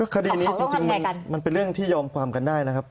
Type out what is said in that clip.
คดีนี้จริงมันเป็นเรื่องที่ยอมความกันได้นะครับ